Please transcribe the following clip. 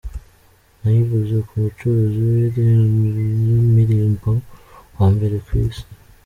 Nayiguze ku mucuruzi w’imirimbo wa mbere ku isi.